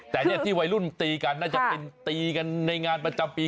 แต่เนี่ยที่วัยรุ่นตีกันน่าจะเป็นตีกันในงานประจำปี